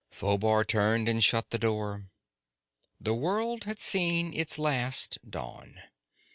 Phobar turned and shut the door. The world had seen its last dawn.